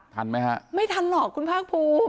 ทันมั้ยคะไม่ทันหรอกคุณภักษ์ภูมิ